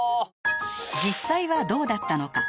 実際はどうだったのか？